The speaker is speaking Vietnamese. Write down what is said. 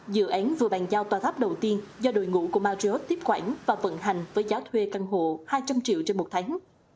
dự án vừa bàn giao tòa tháp đầu tiên do đội ngũ của maryot tiếp quản và vận hành với giá thuê căn hộ hai trăm linh triệu trên một tháng